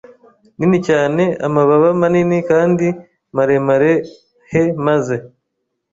nini cyane amababa manini kandi maremare h maze